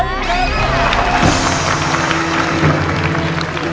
ใช้